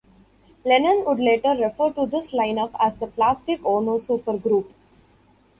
Lennon would later refer to this lineup as "the Plastic Ono Supergroup".